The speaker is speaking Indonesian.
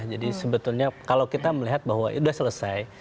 jadi sebetulnya kalau kita melihat bahwa itu sudah selesai